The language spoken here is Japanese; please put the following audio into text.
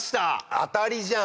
当たりじゃん。